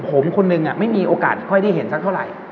ผมคนนึงไม่มีโอกาสค่อยได้เห็นสักเท่าไหร่